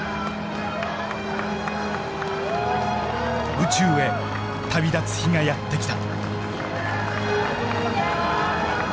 宇宙へ旅立つ日がやって来た。